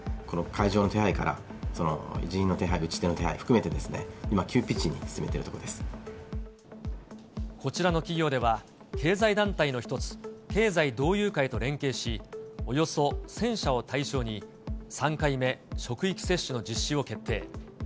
この会場の手配から、人員の手配、打ち手の手配含めて、今、急ピッチに進めているところこちらの企業では、経済団体の１つ、経済同友会と連携し、およそ１０００社を対象に、３回目職域接種の実施を決定。